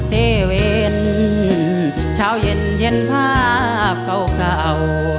เซเวนชาวเย็นเย็นภาพเก่าเก่า